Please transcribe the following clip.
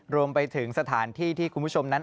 รวมไปถึงสถานที่ที่คุณผู้ชมนั้น